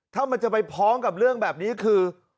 ถ้ามันจะไปพ้องกับเรื่องแบบนี้คือ